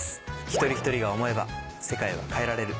一人一人が思えば世界は変えられる。